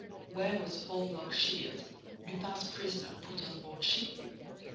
Where was Holmlock Shears, Lupin's prisoner, put on board ship?